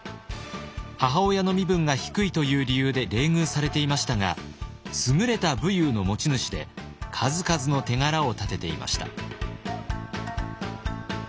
母親の身分が低いという理由で冷遇されていましたが優れた武勇の持ち主で数々の手柄を立てていました。